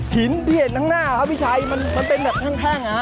หินที่เห็นนักหน้าค่ะพี่ชัยมันเป็นแบบแพ่งฮะ